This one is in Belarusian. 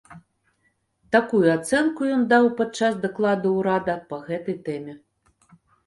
Такую ацэнку ён даў падчас дакладу ўрада па гэтай тэме.